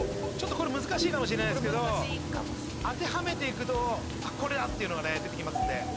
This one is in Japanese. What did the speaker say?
これ難しいかもしれないですけど当てはめていくとこれだっていうのが出てきます。